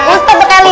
ustadz bekal hidung